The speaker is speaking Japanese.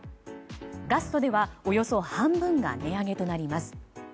ガストではおよそ半分が値上げとなります。